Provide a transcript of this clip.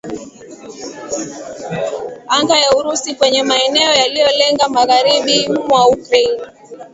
anga ya Urusi kwenye maeneo yaliyolenga magharibi mwa Ukraine